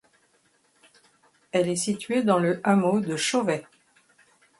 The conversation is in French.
Elle est située dans le hameau de Chauvet.